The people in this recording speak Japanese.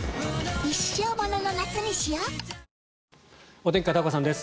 お天気、片岡さんです。